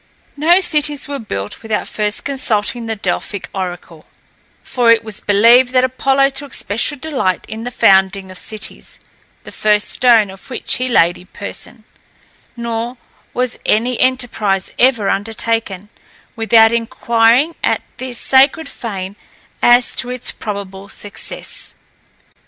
No cities were built without first consulting the Delphic oracle, for it was believed that Apollo took special delight in the founding of cities, the first stone of which he laid in person; nor was any enterprise ever undertaken, without inquiring at this sacred fane as to its probable success.